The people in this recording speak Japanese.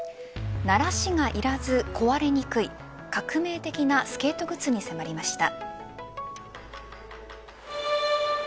慣らしがいらず壊れにくい革命的なスケート靴に迫りました。